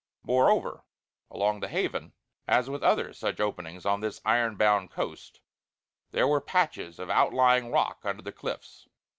Moreover, along the Haven, as with other such openings on this iron bound coast, there were patches of outlying rock under the cliffs.